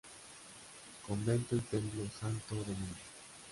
Convento y templo Santo Domingo.